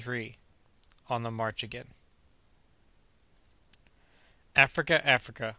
ON THE MARCH AGAIN. "Africa! Africa!"